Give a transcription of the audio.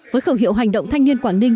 với khẩu hiệu hành động thanh niên quảng ninh